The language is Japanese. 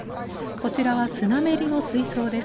こちらはスナメリの水槽です。